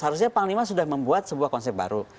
harusnya panglima sudah membuat sebuah konsep baru